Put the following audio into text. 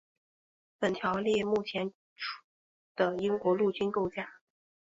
本条目列出目前的英国陆军架构。